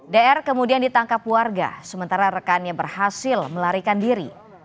dr kemudian ditangkap warga sementara rekannya berhasil melarikan diri